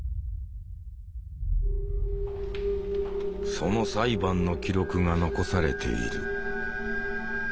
その裁判の記録が残されている。